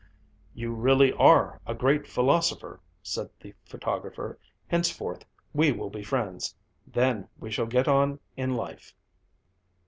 "You really are a great philosopher," said the photographer, "henceforth we will be friends! Then we shall get on in life!"